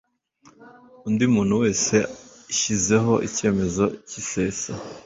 undi muntu wese ishyizeho icyemezo cy isesa